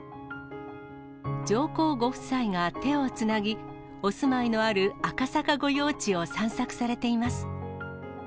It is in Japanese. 上皇ご夫妻が手をつなぎ、お住まいのある赤坂御用地を散策されています。